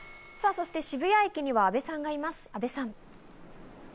そして渋谷駅には阿部さんがいます、阿部さん。